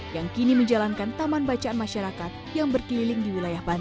yang kini menjalankan taman bacaan masyarakat yang berkeliling di wilayah bandung